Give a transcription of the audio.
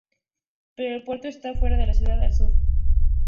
Pero el puerto está fuera de la ciudad, al sur.